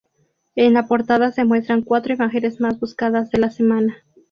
En la portada se muestran cuatro imágenes más buscadas de la semana.